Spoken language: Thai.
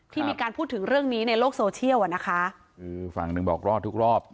มีการพูดถึงเรื่องนี้ในโลกโซเชียลอ่ะนะคะคือฝั่งหนึ่งบอกรอดทุกรอบ